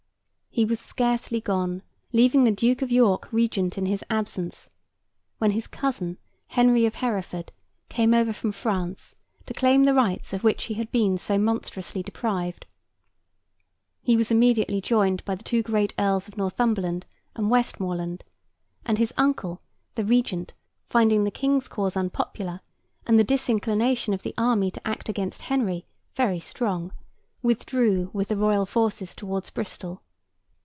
He was scarcely gone, leaving the Duke of York Regent in his absence, when his cousin, Henry of Hereford, came over from France to claim the rights of which he had been so monstrously deprived. He was immediately joined by the two great Earls of Northumberland and Westmoreland; and his uncle, the Regent, finding the King's cause unpopular, and the disinclination of the army to act against Henry, very strong, withdrew with the Royal forces towards Bristol.